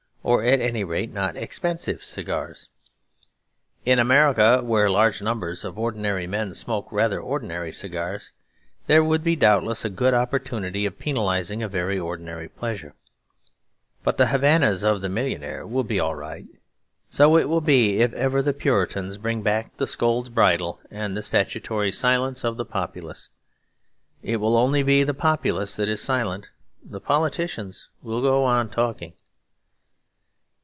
Or at any rate not expensive cigars. In America, where large numbers of ordinary men smoke rather ordinary cigars, there would be doubtless a good opportunity of penalising a very ordinary pleasure. But the Havanas of the millionaire will be all right. So it will be if ever the Puritans bring back the Scold's Bridle and the statutory silence of the populace. It will only be the populace that is silent. The politicians will go on talking.